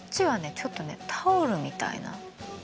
ちょっとねタオルみたいなの。